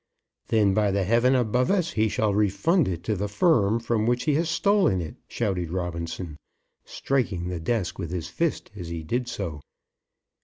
"Then, by the heaven above us, he shall refund it to the firm from which he has stolen it," shouted Robinson, striking the desk with his fist as he did so.